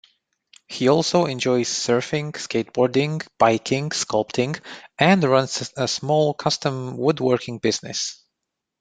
He also enjoys surfing, skateboarding, biking, sculpting, and runs a small custom woodworking business.